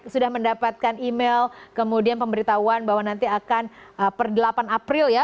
sudah mendapatkan email kemudian pemberitahuan bahwa nanti akan per delapan april ya